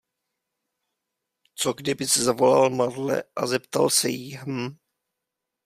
Co kdybys zavolal Marle a zeptal se jí, hm?